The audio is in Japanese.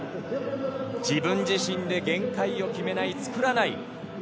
自分自身で限界を決めない作らない。